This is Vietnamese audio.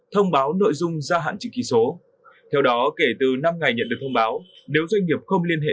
thông báo nội dung gia hạn chữ ký số theo đó kể từ năm ngày nhận được thông báo nếu doanh nghiệp không liên hệ